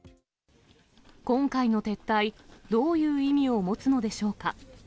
今回の撤退、どういう意味を持つのでしょうか。